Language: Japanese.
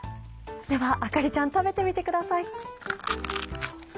ではあかりちゃん食べてみてください。